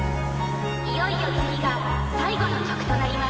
いよいよ次が最後の曲となります。